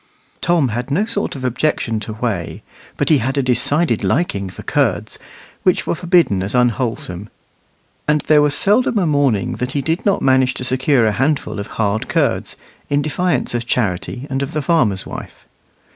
Tom had no sort of objection to whey, but he had a decided liking for curds, which were forbidden as unwholesome; and there was seldom a morning that he did not manage to secure a handful of hard curds, in defiance of Charity and of the farmer's wife.